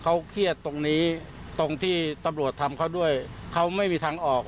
เขาเครียดตรงนี้ตรงที่ตำรวจทำเขาด้วยเขาไม่มีทางออก